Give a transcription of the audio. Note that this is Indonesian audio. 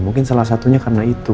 mungkin salah satunya karena itu